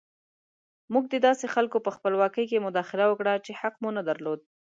موږ د داسې خلکو په خپلواکۍ کې مداخله وکړه چې حق مو نه درلود.